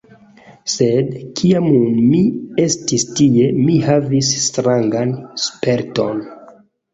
Sed, kiam mi estis tie, mi havis strangan sperton: